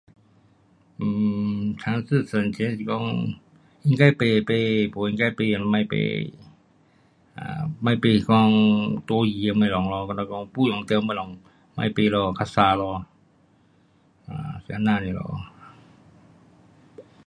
um 尝试省钱是讲，应该买的买，不应该买的别买，啊，别买是讲多余的东西，没用到的东西别买咯，较省咯，就是这样 nia 咯